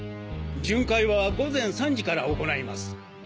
巡回は午前３時から行います。